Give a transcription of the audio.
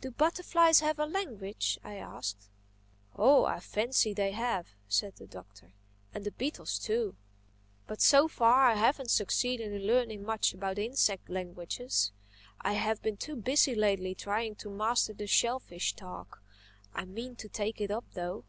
"Do butterflies have a language?" I asked. "Oh I fancy they have," said the Doctor—"and the beetles too. But so far I haven't succeeded in learning much about insect languages. I have been too busy lately trying to master the shellfish talk. I mean to take it up though."